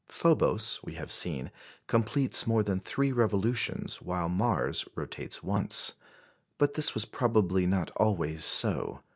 Phobos, we have seen, completes more than three revolutions while Mars rotates once. But this was probably not always so.